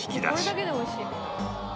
「これだけで美味しい」